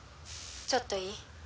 「ちょっといい？」